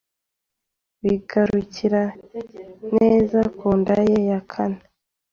bigarukira neza ku nda ye ya kane